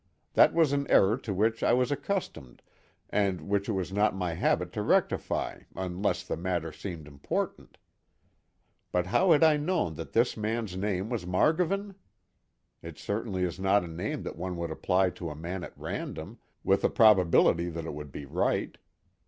That was an error to which I was accustomed and which it was not my habit to rectify unless the matter seemed important. But how had I known that this man's name was Margovan? It certainly is not a name that one would apply to a man at random, with a probability that it would be right.